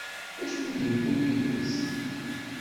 D acu i d-yewwi yid-s?